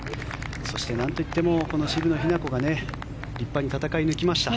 そして、なんと言ってもこの渋野日向子が立派に戦い抜きました。